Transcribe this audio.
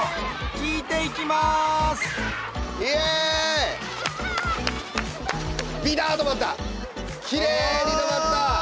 きれいに止まった！